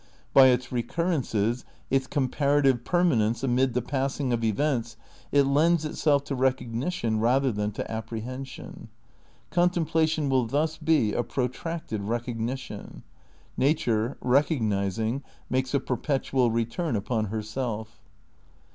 By its recurrences, its comparative permanence amid the passing of events it lends itself to recognition rather than to apprehension. Contemplation will thus be a protracted recognition. Nature, recognising, makes a perpetual return upon herself.